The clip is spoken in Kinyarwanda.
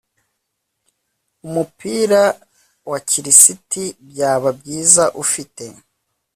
umupira wa kirisiti byaba byiza ufite